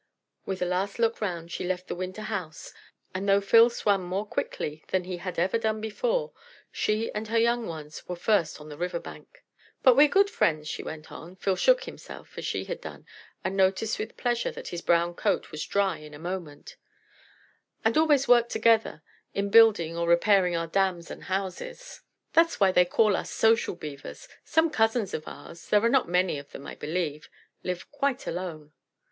With a last look round she left the winter house, and though Phil swam more quickly than he had ever done before, she and her young ones were first on the river bank. "But we're good friends," she went on (Phil shook himself as she had done, and noticed with pleasure that his brown coat was dry in a moment), "and always work together in building or repairing our dams and houses. That's why they call us 'Social' Beavers. Some cousins of ours (there are not many of them, I believe) live quite alone."